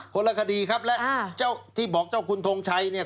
คนละคดีครับและที่บอกเจ้าคุณทงชัย